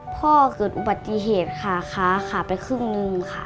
เกิดอุบัติเหตุขาขาขาไปครึ่งหนึ่งค่ะ